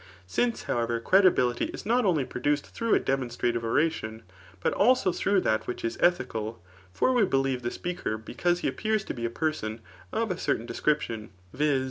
Since, however, credibility is not only produced through a demonstrative oration, but also through that which is ethical ; (for we befieve th^ speaker because he appears to be a person of a certain description, viz.